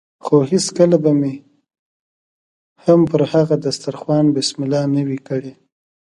خو هېڅکله به مې هم پر هغه دسترخوان بسم الله نه وي کړې.